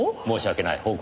申し訳ない。